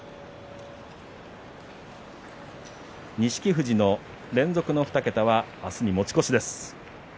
富士の連続の２桁は明日に持ち越しです。